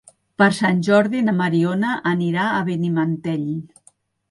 Per Sant Jordi na Mariona anirà a Benimantell.